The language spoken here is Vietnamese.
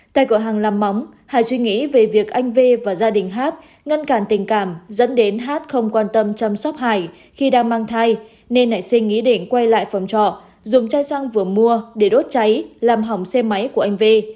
tại cửa hàng làm móng hải suy nghĩ về việc anh v và gia đình hát ngăn cản tình cảm dẫn đến hát không quan tâm chăm sóc hải khi đang mang thai nên nảy sinh ý định quay lại phòng trọ dùng chai xăng vừa mua để đốt cháy làm hỏng xe máy của anh v